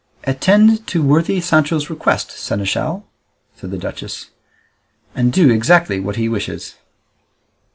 "Attend to worthy Sancho's request, seneschal," said the duchess, "and do exactly what he wishes."